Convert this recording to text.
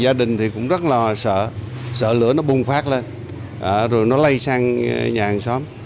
gia đình thì cũng rất là sợ sợ lửa nó bùng phát lên rồi nó lây sang nhà hàng xóm